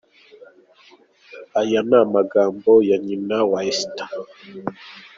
Aya ni amagambo ya nyina wa Esther.